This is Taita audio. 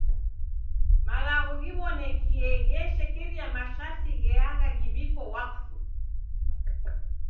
Malagho ghiw'onekie gheshekeria masharti gheagha ghiw'iko wakfu.